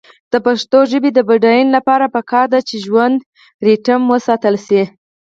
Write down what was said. د پښتو ژبې د بډاینې لپاره پکار ده چې ژوندی ریتم وساتل شي.